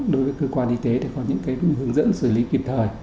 của các cơ quan y tế để có những hướng dẫn xử lý kịp thời